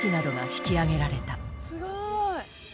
すごい。